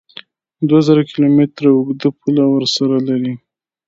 دوه زره کیلو متره اوږده پوله ورسره لري